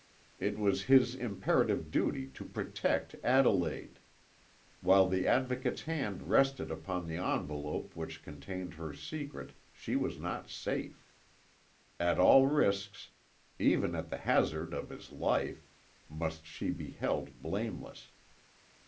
It was his imperative duty to protect Adelaide; while the Advocate's hand rested upon the envelope which contained her secret she was not safe. At all risks, even at the hazard of his life, must she be held blameless.